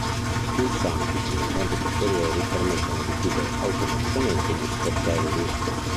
Pulsanti sui montanti posteriori permettono di chiudere automaticamente gli sportelli.